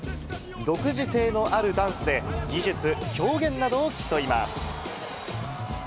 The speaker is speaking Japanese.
独自性のあるダンスで、技術、表現などを競います。